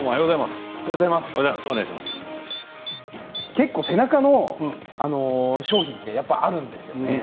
結構、背中の商品ってあるんですよね。